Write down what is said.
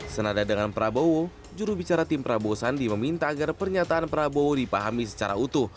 senada dengan prabowo jurubicara tim prabowo sandi meminta agar pernyataan prabowo dipahami secara utuh